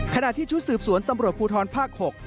ขณะที่ชุดสืบสวนตำรวจภูทรภาค๖